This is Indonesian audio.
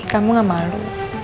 kamu gak malu